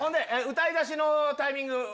歌い出しのタイミング